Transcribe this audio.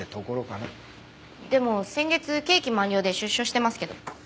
でも先月刑期満了で出所してますけど。